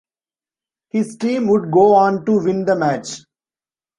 His team would go on to win the match.